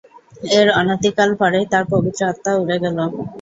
এর অনতিকাল পরেই তার পবিত্র আত্মা উড়ে গেল।